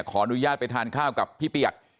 ขออนุญาตไปทานข้าวกับพี่เปียก